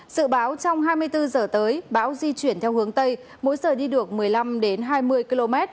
sự báo trong hai mươi bốn giờ tới bão di chuyển theo hướng tây mỗi giờ đi được một mươi năm hai mươi km